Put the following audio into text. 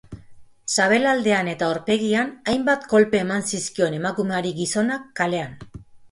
Sabelaldean eta aurpegian hainbat kolpe eman zizkion emakumeari gizonak, kalean.